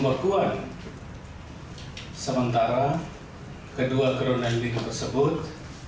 pembekuan sementara kedua ground handling tersebut